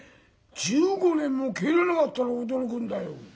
１５年も帰らなかったら驚くんだよ。